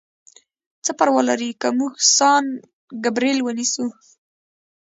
څه پروا لري که موږ سان ګبریل ونیسو؟